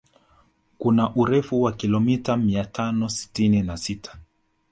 Kuna urefu wa kilomita mia tano sitini na sita